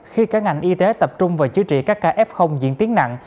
khi cả ngành y tế tập trung vào chữa trị các ca f diễn tiến nặng